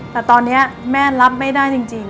แต่ตอนนี้แม่รับไม่ได้จริง